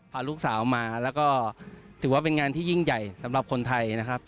พาลูกสาวมาแล้วก็ถือว่าเป็นงานที่ยิ่งใหญ่สำหรับคนไทยนะครับ